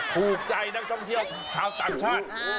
ถูกใจนักท่องเที่ยวชาวต่างชาติ